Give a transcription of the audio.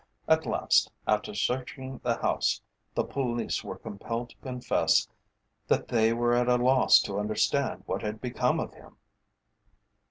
At last, after searching the house, the police were compelled to confess that they were at a loss to understand what had become of him.